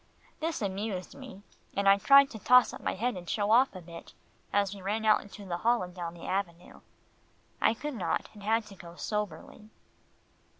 This amused me, and I tried to toss up my head and show off a bit, as we ran out into the hall and down the avenue. I could not, and had to go soberly.